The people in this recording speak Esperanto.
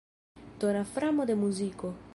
Tona framo de muziko.